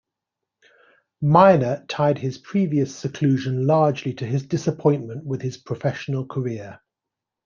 Miner tied his previous seclusion largely to his disappointment with his professional career.